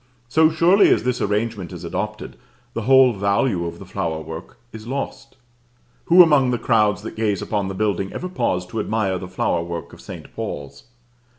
So surely as this arrangement is adopted, the whole value of the flower work is lost. Who among the crowds that gaze upon the building ever pause to admire the flower work of St. Paul's?